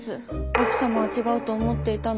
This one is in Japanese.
奥様は違うと思っていたのに。